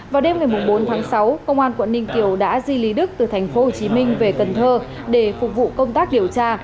vào đêm ngày bốn tháng sáu công an quận ninh kiều đã di lý đức từ thành phố hồ chí minh về cần thơ để phục vụ công tác điều tra